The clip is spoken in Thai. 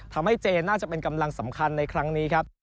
ทำให้เจน่าจะเป็นกำลังสำคัญในครั้งนี้ครับ